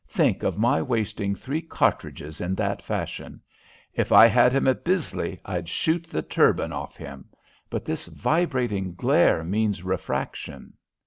"Think of my wasting three cartridges in that fashion! If I had him at Bisley I'd shoot the turban off him, but this vibrating glare means refraction.